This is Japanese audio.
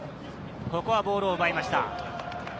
ここはボールを奪いました。